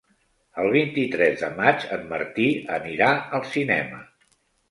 El vint-i-tres de maig en Martí anirà al cinema.